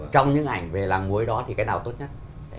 trong những ảnh về làng muối đó thì cái nào tốt nhất